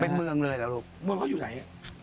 เป็นเมืองเลยเหรอลูกเมืองเขาอยู่ไหน